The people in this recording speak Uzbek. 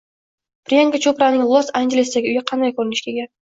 Priyanka Chopraning Los-Anjelesdagi uyi qanday ko‘rinishga ega?